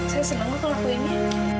saya senang aku ngelakuinnya